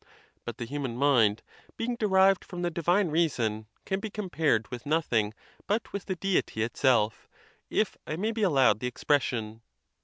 But the human mind, being de rived from the divine reason, can be compared with noth ing but with the Deity itself, if I may be allowed the ex pression.